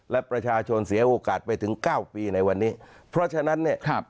และประชาชนเสียโอกาสไปถึงเก้าปีในวันนี้เพราะฉะนั้นเนี่ยครับ